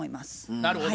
なるほど。